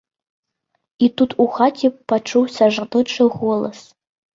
І тут у хаце пачуўся жаночы голас.